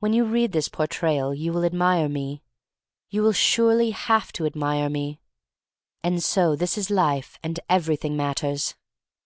When you read this Portrayal you will admire me. You will surely have to admire me. And so this is life, and everything matters.